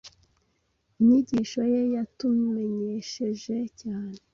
Inyigisho ye yatumenyesheje cyane.